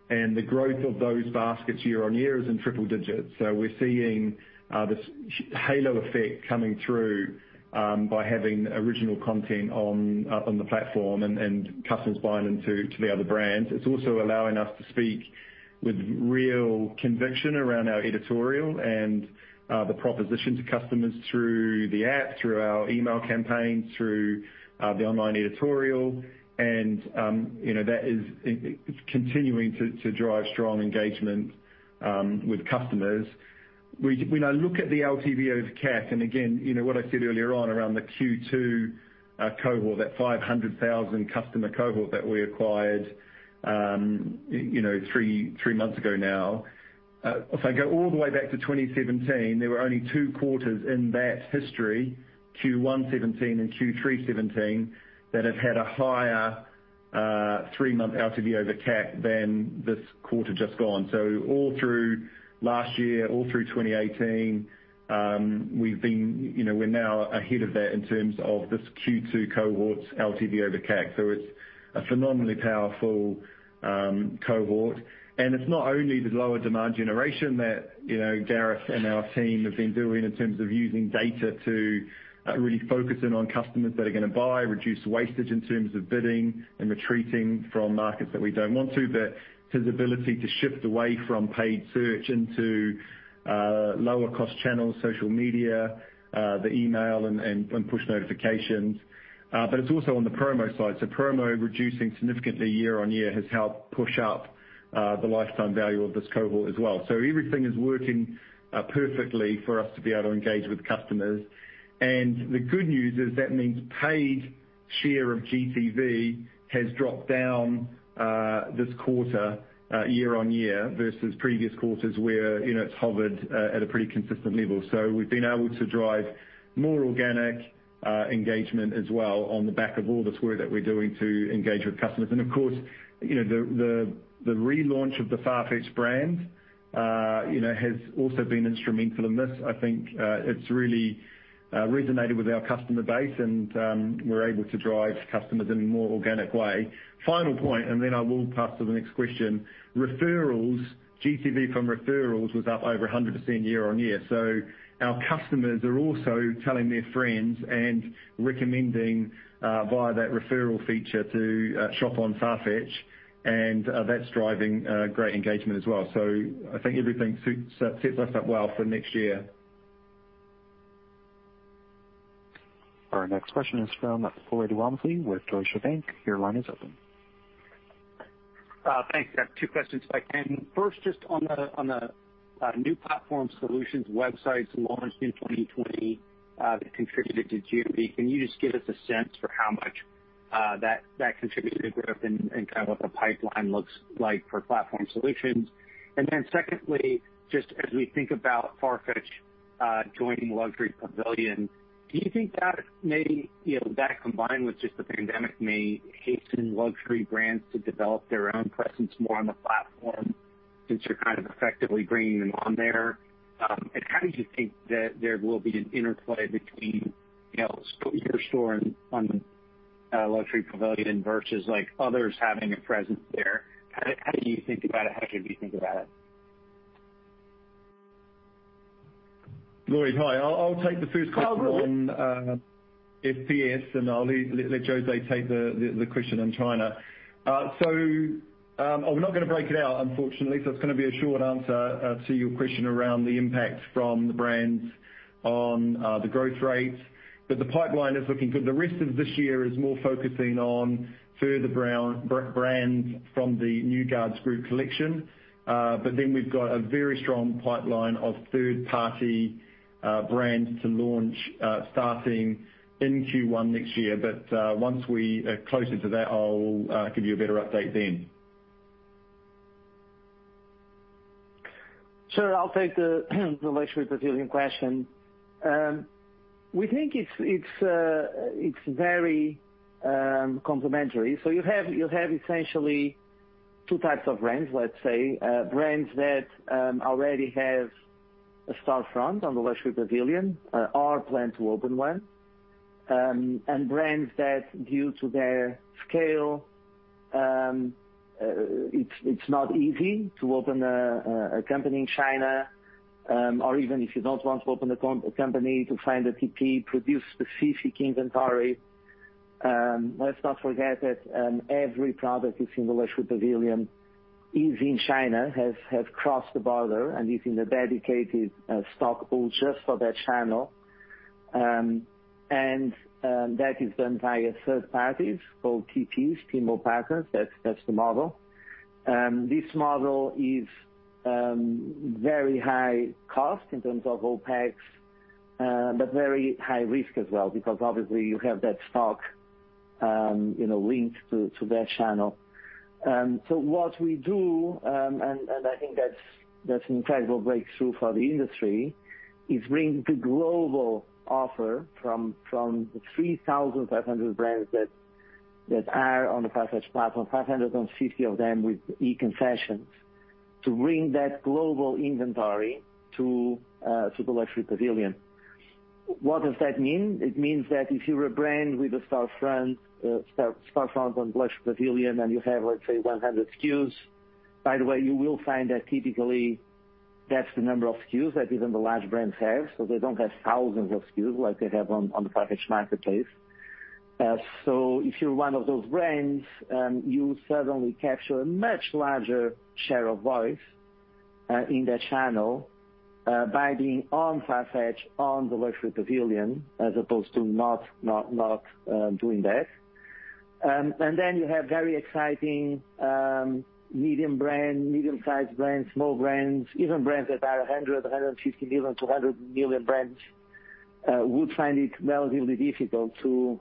The growth of those baskets year-on-year is in triple digits. We're seeing this halo effect coming through by having original content up on the platform and customers buying into the other brands. It's also allowing us to speak with real conviction around our editorial and the proposition to customers through the app, through our email campaign, through the online editorial. It's continuing to drive strong engagement with customers. When I look at the LTV over CAC, and again, what I said earlier on around the Q2 cohort, that 500,000 customer cohort that we acquired three months ago now. If I go all the way back to 2017, there were only two quarters in that history, Q1 '17 and Q3 '17, that have had a higher three-month LTV over CAC than this quarter just gone. All through last year, all through 2018, we're now ahead of that in terms of this Q2 cohort's LTV over CAC. It's a phenomenally powerful cohort. It's not only the lower demand generation that Gareth and our team have been doing in terms of using data to really focus in on customers that are going to buy, reduce wastage in terms of bidding and retreating from markets that we don't want to. To the ability to shift away from paid search into lower cost channels, social media, the email, and push notifications. It's also on the promo side. Promo reducing significantly year-on-year has helped push up the lifetime value of this cohort as well. Everything is working perfectly for us to be able to engage with customers. The good news is that means paid share of GTV has dropped down this quarter year-on-year, versus previous quarters where it's hovered at a pretty consistent level. We've been able to drive more organic engagement as well on the back of all this work that we're doing to engage with customers. Of course, the relaunch of the Farfetch brand has also been instrumental in this. I think it's really resonated with our customer base and we're able to drive customers in a more organic way. Final point. Then I will pass to the next question. Referrals. GTV from referrals was up over 100% year-on-year. Our customers are also telling their friends and recommending via that referral feature to shop on Farfetch, and that's driving great engagement as well. I think everything sets us up well for next year. Our next question is from Lloyd Walmsley with Deutsche Bank. Your line is open. Thanks. I have two questions if I can. First, just on the new Platform Solutions websites launched in 2020 that contributed to GTV. Can you just give us a sense for how much that contributed to growth and kind of what the pipeline looks like for Platform Solutions? Secondly, just as we think about Farfetch joining Luxury Pavilion, do you think that combined with just the pandemic may hasten luxury brands to develop their own presence more on the platform since you're kind of effectively bringing them on there? How do you think that there will be an interplay between your store on Luxury Pavilion versus others having a presence there? How should we think about it? Lloyd, hi. I'll take the first question on FPS, and I'll let José take the question on China. We're not going to break it out, unfortunately. It's going to be a short answer to your question around the impact from the brands on the growth rate. The pipeline is looking good. The rest of this year is more focusing on further brands from the New Guards Group collection. We've got a very strong pipeline of third-party brands to launch, starting in Q1 next year. Once we are closer to that, I'll give you a better update then. Sure. I'll take the Luxury Pavilion question. You have essentially two types of brands, let's say. Brands that already have a storefront on the Luxury Pavilion or plan to open one. Brands that, due to their scale, it's not easy to open a company in China. Or even if you don't want to open a company, to find a TP, produce specific inventory. Let's not forget that every product that's in the Luxury Pavilion is in China, has crossed the border and is in a dedicated stock pool just for that channel. That is done via third parties, called TPs, Tmall Partners. That's the model. This model is very high cost in terms of OPEX, but very high risk as well, because obviously you have that stock linked to that channel. What we do, and I think that's incredible breakthrough for the industry, is bring the global offer from the 3,500 brands that are on the Farfetch platform, 550 of them with e-concessions. To bring that global inventory to the Luxury Pavilion. What does that mean? It means that if you're a brand with a storefront on Luxury Pavilion and you have, let's say, 100 SKUs, by the way, you will find that typically that's the number of SKUs that even the large brands have. They don't have thousands of SKUs like they have on the Farfetch Marketplace. If you're one of those brands, you suddenly capture a much larger share of voice in that channel by being on Farfetch, on the Luxury Pavilion, as opposed to not doing that. Then you have very exciting medium brand, medium-sized brands, small brands, even brands that are $100 million, $150 million, $200 million brands, would find it relatively difficult to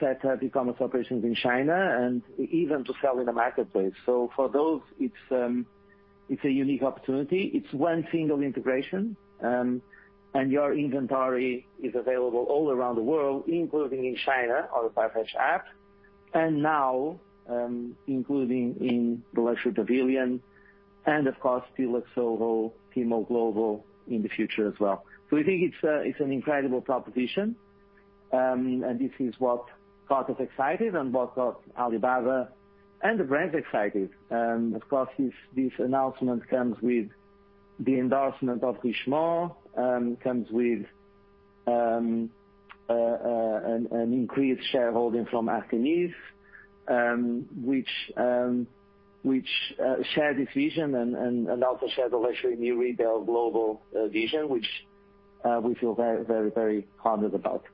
set up e-commerce operations in China and even to sell in the marketplace. For those, it's a unique opportunity. It's one single integration, and your inventory is available all around the world, including in China on the Farfetch app. Now, including in the Luxury Pavilion and, of course, Tmall Luxury Soho, Tmall Global in the future as well. We think it's an incredible proposition, and this is what got us excited and what got Alibaba and the brands excited. Of course, this announcement comes with the endorsement of Richemont, comes with an increased shareholding from Kering, which share this vision and also share the Luxury New Retail global vision, which we feel very honored about.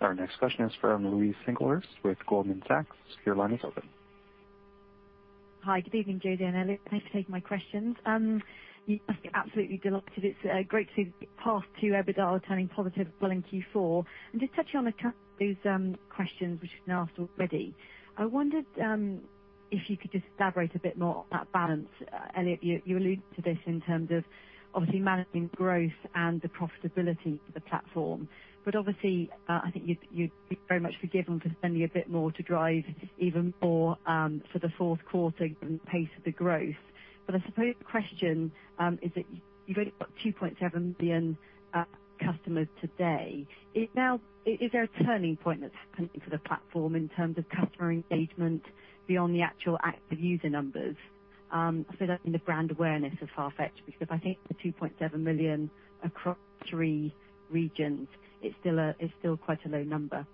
Our next question is from Louise Singlehurst with Goldman Sachs. Your line is open. Hi. Good evening, José and Elliot. Thanks for taking my questions. You must be absolutely delighted. It's great to path to EBITDA turning positive well in Q4. Just touching on a couple of those questions which have been asked already. I wondered if you could just elaborate a bit more on that balance. Elliot, you alluded to this in terms of obviously managing growth and the profitability for the platform. Obviously, I think you'd be very much forgiven for spending a bit more to drive even more, for the fourth quarter pace of the growth. I suppose the question is that you've only got 2.7 million customers today. Is there a turning point that's happening for the platform in terms of customer engagement beyond the actual active user numbers? I say that in the brand awareness of Farfetch, because I think the 2.7 million customers across three regions is still quite a low number.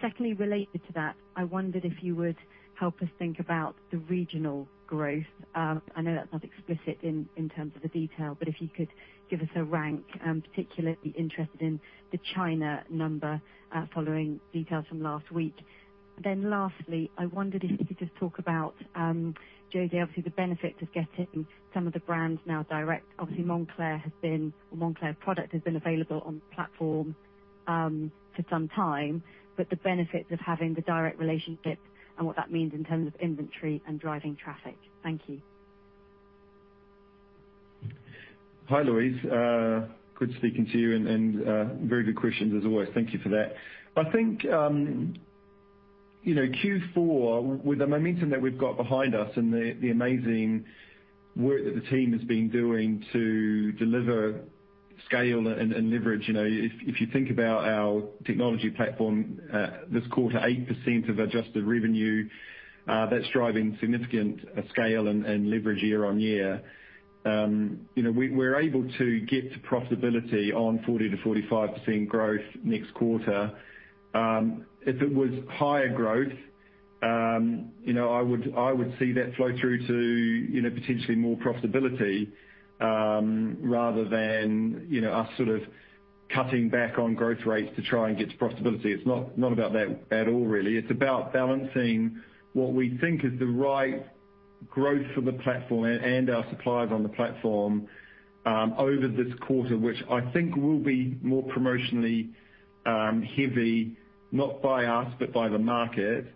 Secondly, related to that, I wondered if you would help us think about the regional growth. I know that's not explicit in terms of the detail, but if you could give us a rank, particularly interested in the China number, following details from last week. Lastly, I wondered if you could just talk about, José, obviously the benefit of getting some of the brands now direct. Obviously, Moncler product has been available on the platform for some time, but the benefits of having the direct relationship and what that means in terms of inventory and driving traffic. Thank you. Hi, Louise. Good speaking to you and very good questions as always. Thank you for that. I think, Q4, with the momentum that we've got behind us and the amazing work that the team has been doing to deliver scale and leverage, if you think about our technology platform, this quarter, 8% of adjusted revenue, that's driving significant scale and leverage year-on-year. We're able to get to profitability on 40%-45% growth next quarter. If it was higher growth, I would see that flow through to potentially more profitability, rather than us sort of cutting back on growth rates to try and get to profitability. It's not about that at all, really. It's about balancing what we think is the right growth for the platform and our suppliers on the platform, over this quarter, which I think will be more promotionally heavy, not by us, but by the market.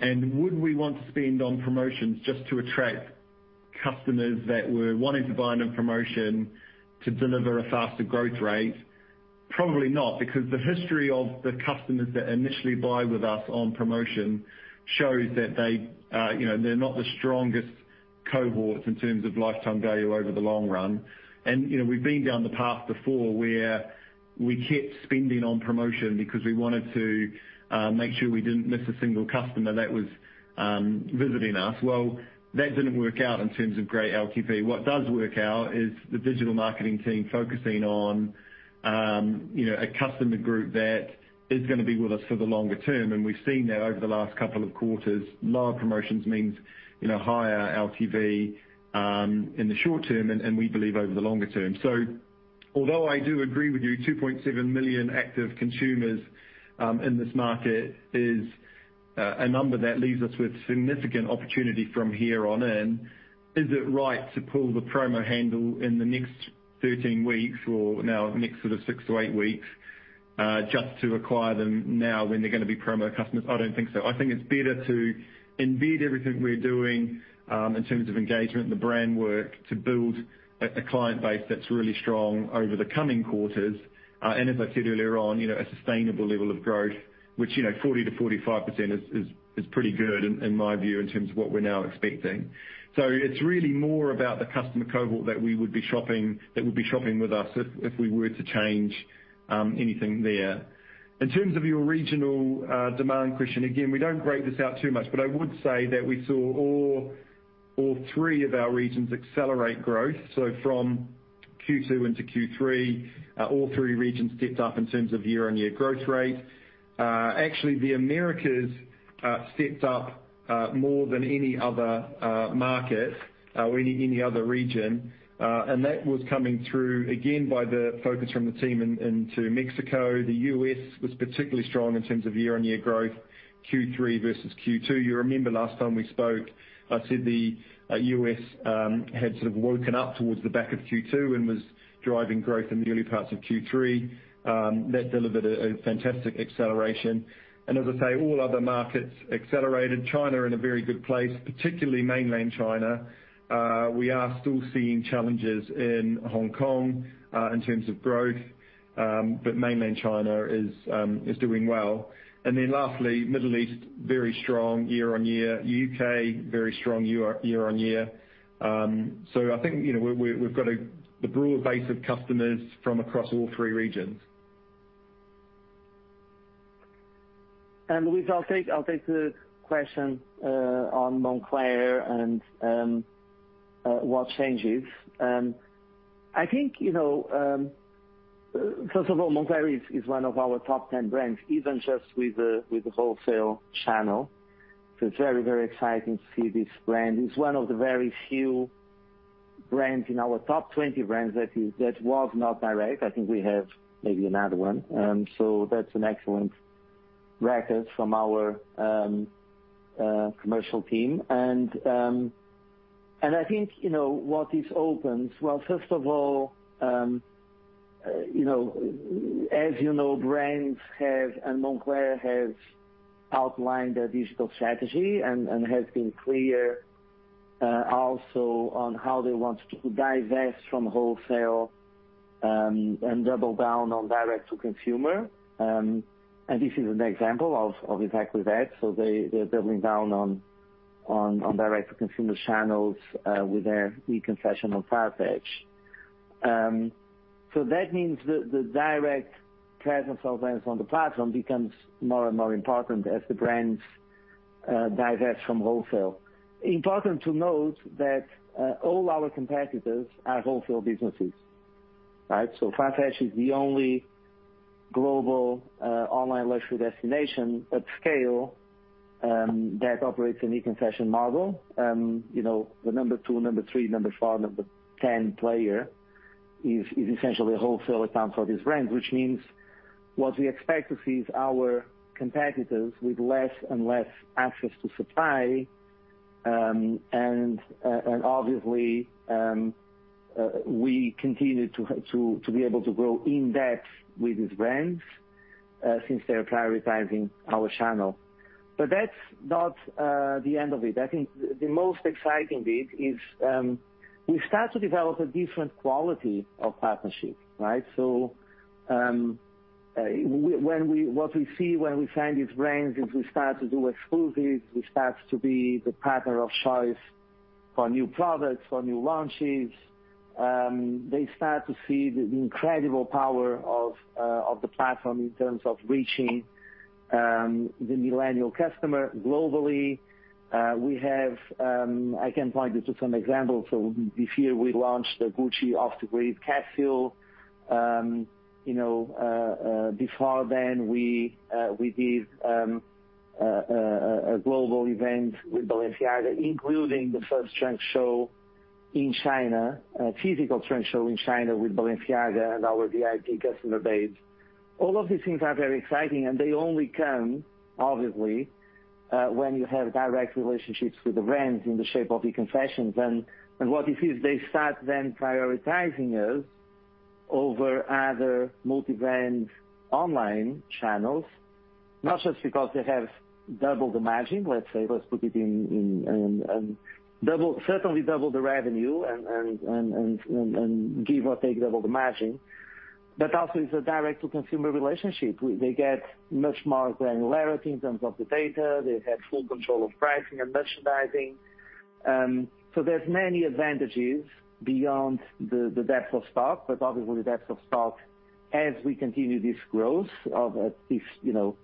Would we want to spend on promotions just to attract customers that were wanting to buy on a promotion to deliver a faster growth rate? Probably not, because the history of the customers that initially buy with us on promotion shows that they're not the strongest cohorts in terms of lifetime value over the long run. We've been down the path before where we kept spending on promotion because we wanted to make sure we didn't miss a single customer that was visiting us. Well, that didn't work out in terms of great LTV. What does work out is the digital marketing team focusing on a customer group that is going to be with us for the longer term, and we've seen that over the last couple of quarters. Lower promotions means higher LTV, in the short term, and we believe over the longer term. Although I do agree with you, 2.7 million active consumers in this market is a number that leaves us with significant opportunity from here on in. Is it right to pull the promo handle in the next 13 weeks or now next sort of six to eight weeks, just to acquire them now when they're going to be promo customers? I don't think so. I think it's better to embed everything we're doing, in terms of engagement and the brand work to build a client base that's really strong over the coming quarters. As I said earlier on, a sustainable level of growth, which 40%-45% is pretty good in my view, in terms of what we're now expecting. It's really more about the customer cohort that would be shopping with us if we were to change anything there. In terms of your regional demand question, again, we don't break this out too much, but I would say that we saw all three of our regions accelerate growth. From Q2 into Q3, all three regions stepped up in terms of year-on-year growth rate. Actually, the Americas stepped up more than any other market or any other region. That was coming through, again, by the focus from the team into Mexico. The U.S. was particularly strong in terms of year-on-year growth, Q3 versus Q2. You remember last time we spoke, I said the U.S. had sort of woken up towards the back of Q2 and was driving growth in the early parts of Q3. That delivered a fantastic acceleration. As I say, all other markets accelerated. China are in a very good place, particularly mainland China. We are still seeing challenges in Hong Kong, in terms of growth. Mainland China is doing well. Lastly, Middle East, very strong year-over-year. U.K., very strong year-over-year. I think we've got the broad base of customers from across all three regions. Louise, I'll take the question on Moncler and what changes. I think, first of all, Moncler is one of our top 10 brands, even just with the wholesale channel. It's very, very exciting to see this brand. It's one of the very few brands in our top 20 brands that was not direct. I think we have maybe another one. That's an excellent record from our commercial team. I think, what is open, well, first of all, as you know, brands have, and Moncler has outlined their digital strategy and has been clear also on how they want to divest from wholesale and double down on direct to consumer. This is an example of exactly that, so they're doubling down on direct to consumer channels with their e-concession on Farfetch. That means the direct presence of brands on the platform becomes more and more important as the brands divest from wholesale. Important to note that all our competitors are wholesale businesses, right? Farfetch is the only global online luxury destination at scale that operates an e-concession model. The number two, number three, number four, number 10 player is essentially a wholesale account for these brands, which means what we expect to see is our competitors with less and less access to supply. Obviously, we continue to be able to grow in depth with these brands, since they're prioritizing our channel. That's not the end of it. I think the most exciting bit is, we start to develop a different quality of partnership, right? What we see when we sign these brands is we start to do exclusives, we start to be the partner of choice for new products, for new launches. They start to see the incredible power of the platform in terms of reaching the Millennial customer globally. I can point you to some examples. This year we launched the Gucci Off The Grid capsule. Before then, we did a global event with Balenciaga, including the first trunk show in China, a physical trunk show in China with Balenciaga and our VIP customer base. All of these things are very exciting, they only come, obviously, when you have direct relationships with the brands in the shape of e-concessions. What it is, they start then prioritizing us over other multi-brand online channels, not just because they have doubled the margin, let's say. Let's put it in, certainly double the revenue and give or take double the margin. Also, it's a direct to consumer relationship. They get much more granularity in terms of the data. They have full control of pricing and merchandising. There's many advantages beyond the depth of stock, but obviously depth of stock as we continue this growth of at least 60%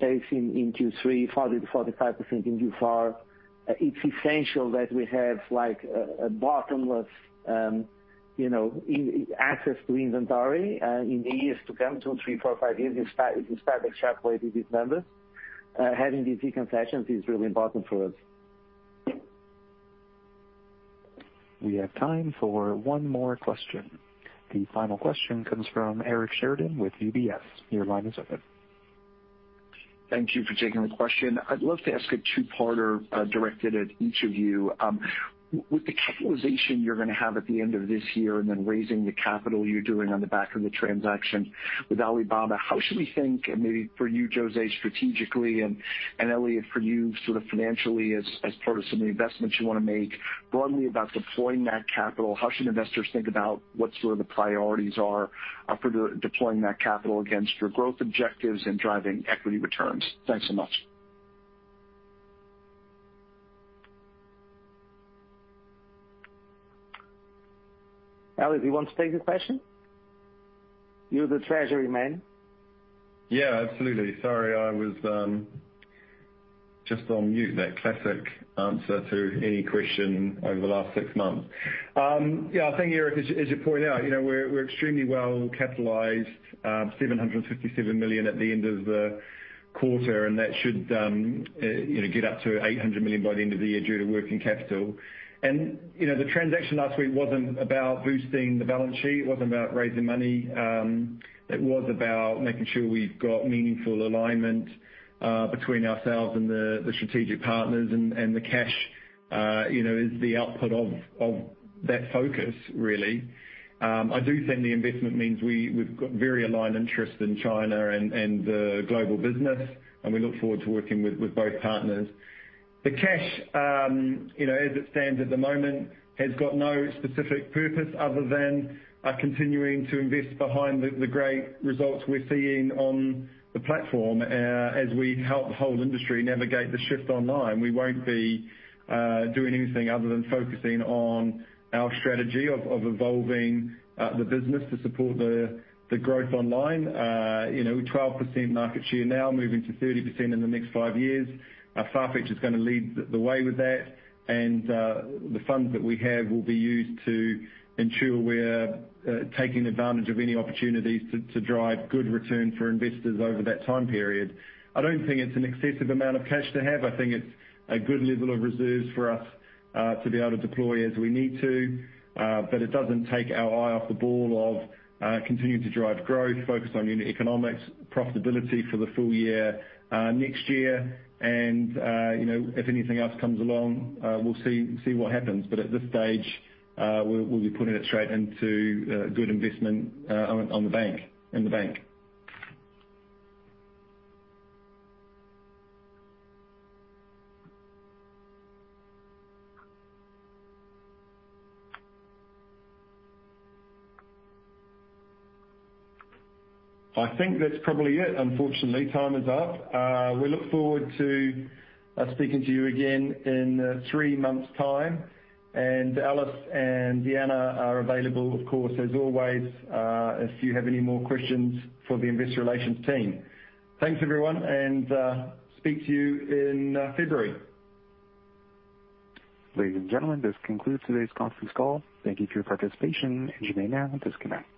pace in Q3, 40%-45% in Q4. It's essential that we have a bottomless access to inventory in the years to come, two, three, four, five years, we start to extrapolate these numbers. Having these e-concessions is really important for us. We have time for one more question. The final question comes from Eric Sheridan with UBS. Your line is open. Thank you for taking the question. I'd love to ask a two-parter directed at each of you. With the capitalization you're going to have at the end of this year, then raising the capital you're doing on the back of the transaction with Alibaba, how should we think, and maybe for you, José, strategically, and Elliot, for you sort of financially as part of some of the investments you want to make broadly about deploying that capital. How should investors think about what sort of the priorities are for deploying that capital against your growth objectives and driving equity returns? Thanks so much. Elliot, do you want to take this question? You are the treasury man. Yeah, absolutely. Sorry, I was just on mute. The classic answer to any question over the last six months. Yeah, I think, Eric, as you point out, we're extremely well-capitalized. $757 million at the end of the quarter, and that should get up to $800 million by the end of the year due to working capital. The transaction last week wasn't about boosting the balance sheet. It wasn't about raising money. It was about making sure we've got meaningful alignment between ourselves and the strategic partners, and the cash is the output of that focus, really. I do think the investment means we've got very aligned interests in China and the global business, and we look forward to working with both partners. The cash, as it stands at the moment, has got no specific purpose other than continuing to invest behind the great results we're seeing on the platform as we help the whole industry navigate the shift online. We won't be doing anything other than focusing on our strategy of evolving the business to support the growth online. 12% market share now, moving to 30% in the next five years. The funds that we have will be used to ensure we're taking advantage of any opportunities to drive good return for investors over that time period. I don't think it's an excessive amount of cash to have. I think it's a good level of reserves for us to be able to deploy as we need to, but it doesn't take our eye off the ball of continuing to drive growth, focus on unit economics, profitability for the full year, next year, and if anything else comes along, we'll see what happens. At this stage, we'll be putting it straight into good investment in the bank. I think that's probably it. Unfortunately, time is up. We look forward to speaking to you again in three months' time, and Alice and Deanna are available, of course, as always, if you have any more questions for the investor relations team. Thanks everyone, and speak to you in February. Ladies and gentlemen, this concludes today's conference call. Thank you for your participation. You may now disconnect.